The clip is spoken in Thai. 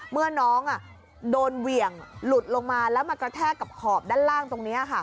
เมื่อน้องโดนเหวี่ยงหลุดลงมาแล้วมากระแทกกับขอบด้านล่างตรงนี้ค่ะ